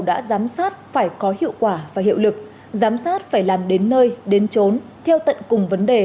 đã giám sát phải có hiệu quả và hiệu lực giám sát phải làm đến nơi đến trốn theo tận cùng vấn đề